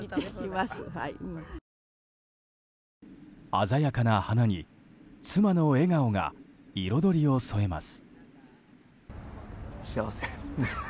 鮮やかな花に妻の笑顔が彩りを添えます。